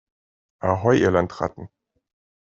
Ahoi, ihr Landratten!